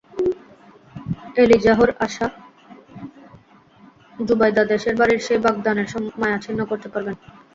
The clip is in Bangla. এলিজাহর আশা, যুবায়দা দেশের বাড়ির সেই বাগদানের মায়া ছিন্ন করতে পারবেন।